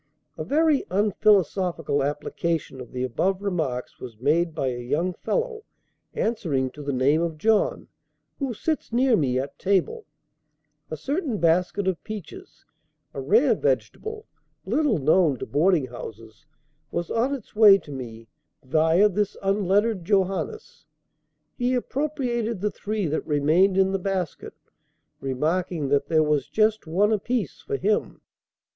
[A very unphilosophical application of the above remarks was made by a young fellow, answering to the name of John, who sits near me at table. A certain basket of peaches, a rare vegetable, little known to boarding houses, was on its way to me viâ this unlettered Johannes. He appropriated the three that remained in the basket, remarking that there was just one apiece for him.